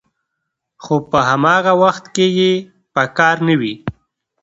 خو په هماغه وخت کې یې په کار نه وي